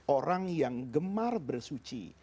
orang yang gemar bersuci